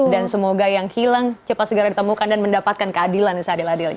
dan semoga yang hilang cepat segaranya ditemukan dan mendapatkan keadilan seadil adilnya